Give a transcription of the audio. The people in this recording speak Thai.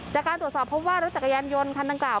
จากการตรวจสอบพบว่ารถจักรยานยนต์คันดังกล่า